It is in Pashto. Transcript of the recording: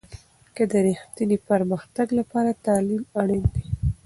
د رښتیني پرمختګ لپاره تعلیم اړین دی.